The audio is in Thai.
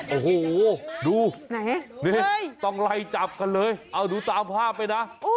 โอ้โหดูนี่ต้องไล่จับกันเลยเอาดูตามภาพไปนะ